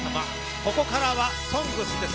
ここからは「ＳＯＮＧＳ」です。